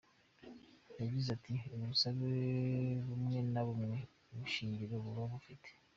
Yagiz ati “ Ubusabe bumwe na bumwe nta shingiro buba bufite.